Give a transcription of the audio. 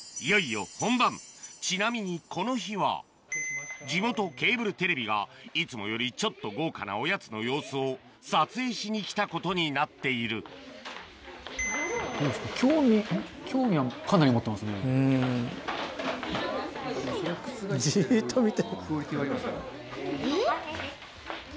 ちなみにこの日は地元ケーブルテレビがいつもよりちょっと豪華なおやつの様子を撮影しにきたことになっているじっと見てる。